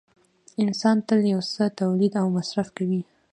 انسان تل یو څه تولید او مصرف کوي